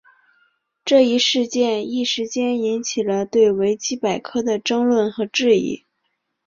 这一事件一时间引起了对维基百科的争论和质疑。